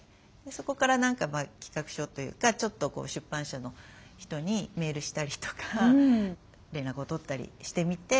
そこから何か企画書というかちょっと出版社の人にメールしたりとか連絡を取ったりしてみて「こんなんしませんか？」